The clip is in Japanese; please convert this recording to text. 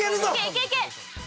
いけいけ！